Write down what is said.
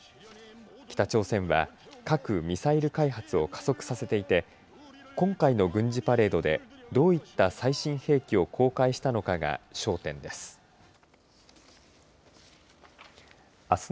北朝鮮は核・ミサイル開発を加速させていて今回の軍事パレードでどういった最新兵器を公開したのかが焦点です。